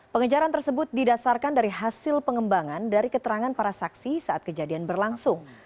pengejaran tersebut didasarkan dari hasil pengembangan dari keterangan para saksi saat kejadian berlangsung